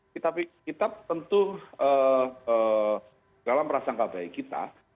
kita tentu dalam merasa gak baik kita